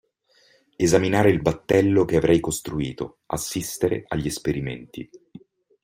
Esaminare il battello che avrei costruito, assistere agli esperimenti.